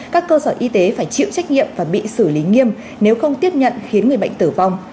các cơ sở y tế phải chịu trách nhiệm và bị xử lý nghiêm nếu không tiếp nhận khiến người bệnh tử vong